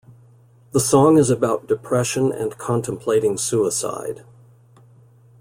The song is about depression and contemplating suicide.